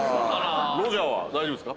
ロジャーは大丈夫ですか？